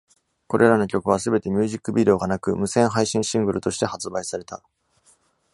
これらの曲はすべてミュージックビデオがなく、無線配信シングルとして発売された。